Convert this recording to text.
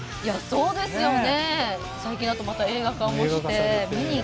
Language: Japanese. そうですね。